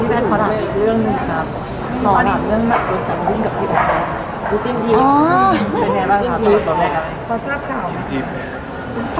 พี่แพทย์ขอบคุณค่ะเรื่องขอบคุณค่ะเรื่องแบบจัดการวิ่งกับพี่แพทย์